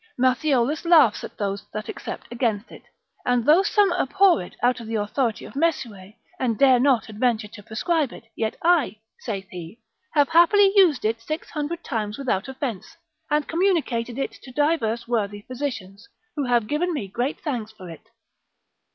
Matthiolus laughs at those that except against it, and though some abhor it out of the authority of Mesue, and dare not adventure to prescribe it, yet I (saith he) have happily used it six hundred times without offence, and communicated it to divers worthy physicians, who have given me great thanks for it.